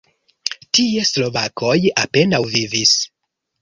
Tie slovakoj apenaŭ vivis.